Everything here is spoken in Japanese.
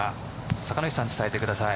酒主さん、伝えてください。